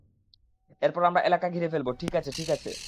এরপর আমরা এলাকা ঘিরে ফেলবো, ঠিক আছে ঠিক আছে।